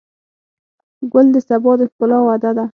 ګل د سبا د ښکلا وعده ده.